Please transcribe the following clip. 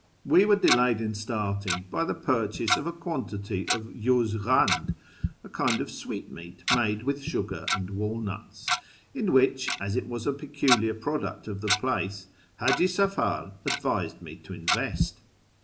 We were delayed in starting by the purchase of a quantity oi juzfjhand (a kind of sweetmeat made with sugar and walnuts), in which, as it was a peculiar product of tlie place, Haji Safar advised me to invest.